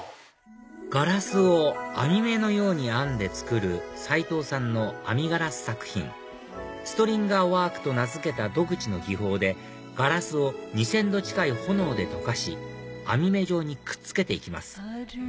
ガラスを網目のように編んで作る齋藤さんの編みガラス作品ストリンガーワークと名付けた独自の技法でガラスを２０００℃近い炎で溶かし網目状にくっつけて行きます